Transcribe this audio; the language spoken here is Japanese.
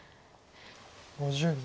５０秒。